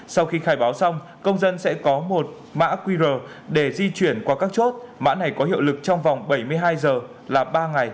sau khi khai báo xong công dân sẽ có một mã qr để di chuyển qua các chốt mã này có hiệu lực trong vòng bảy mươi hai giờ là ba ngày